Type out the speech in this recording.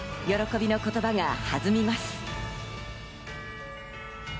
喜びの言葉が弾みます。